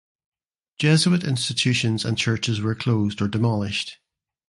Jesuit institutions and churches were closed or demolished.